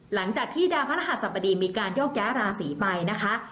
หลังจากที่ดาวพระรหัสบดีมีการโยกย้ายราศีไปนะคะ